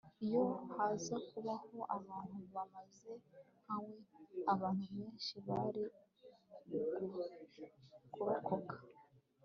iyo haza kubaho abantu bameze nkawe abantu benshi bari kurokoka